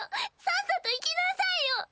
さっさと行きなさいよ！